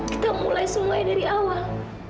kita mulai sungai dari awal